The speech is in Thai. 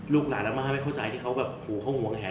ลูกหลานอาม่าไม่เข้าใจที่เขาแบบหูเขาห่วงแห่